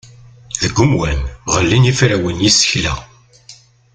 Deg umwan, ɣellin yiferrawen n yisekla.